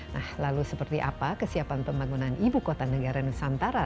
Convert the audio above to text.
nah lalu seperti apa kesiapan pembangunan ibu kota negara nusantara